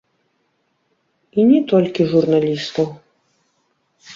І не толькі журналістаў.